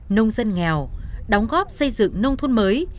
nông dân nghèo đóng góp xây dựng nông thôn mới